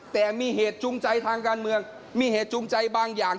แต่มีเหตุจูงใจทางการเมืองมีเหตุจูงใจบางอย่าง